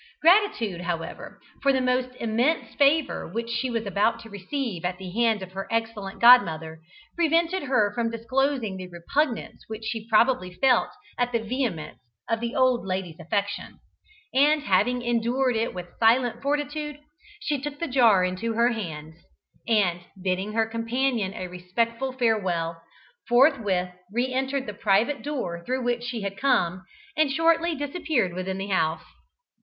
Gratitude, however, for the immense favour which she was about to receive at the hands of her excellent godmother, prevented her from disclosing the repugnance which she probably felt at the vehemence of the old lady's affection, and having endured it with silent fortitude, she took the jar into her hands, and, bidding her companion a respectful farewell, forthwith re entered the private door through which she had come, and shortly disappeared within the house.